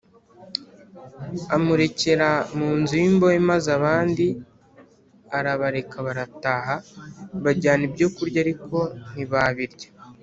Amurekera munzu y’imbohe maze abandi arabareka barataha. bajyana ibyokurya Ariko ntibabirya.